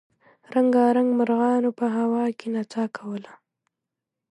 رنګارنګ مرغانو په هوا کې نڅا کوله.